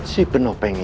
si penopeng ini